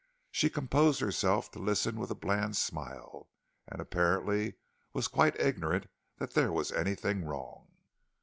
She composed herself to listen with a bland smile, and apparently was quite ignorant that there was anything wrong.